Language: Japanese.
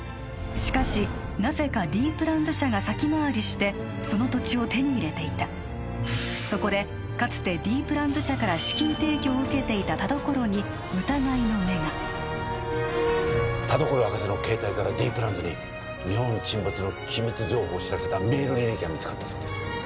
しかしなぜかＤプランズ社が先回りしてその土地を手に入れていたそこでかつてＤプランズ社から資金提供を受けていた田所に疑いの目が田所博士の携帯からＤプランズに日本沈没の機密情報を知らせたメール履歴が見つかったそうです